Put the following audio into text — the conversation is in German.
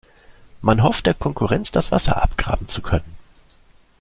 Man hofft, der Konkurrenz das Wasser abgraben zu können.